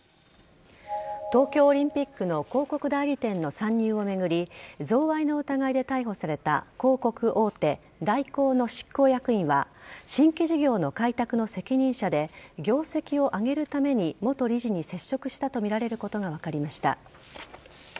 東京オリンピックの広告代理店の参入を巡り贈賄の疑いで逮捕された広告大手・大広の執行役員は新規事業の開拓の責任者で業績を上げるために元理事に接触したとみられることが分かりました。